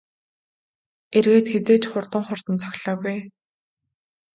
Эргээд хэзээ ч хурдан хурдан цохилоогүй ээ.